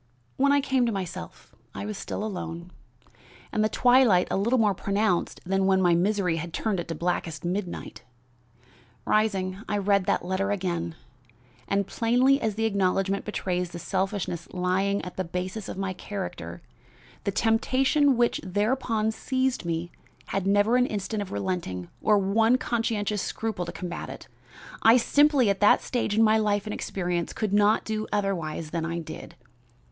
"When I came to myself I was still alone, and the twilight a little more pronounced than when my misery had turned it to blackest midnight. Rising, I read that letter again, and, plainly as the acknowledgment betrays the selfishness lying at the basis of my character, the temptation which thereupon seized me had never an instant of relenting or one conscientious scruple to combat it. I simply, at that stage in my life and experience, could not do otherwise than I did.